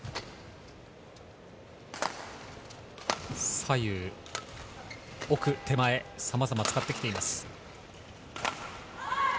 左右、奥、手前、さまざまに使ってきています。